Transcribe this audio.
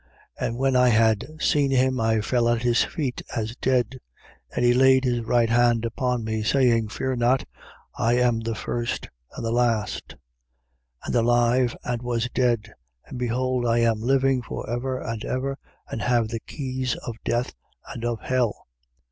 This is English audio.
1:17. And when I had seen him, I fell at his feet as dead. And he laid his right hand upon me, saying: Fear not. I am the First and the Last, 1:18. And alive, and was dead. And behold I am living for ever and ever and have the keys of death and of hell.